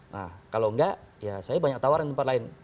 nah kalau enggak ya saya banyak tawaran tempat lain